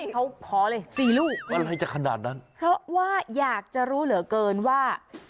เขาพอเลย๔ลูกเพราะว่าอยากจะรู้เหลือเกินว่า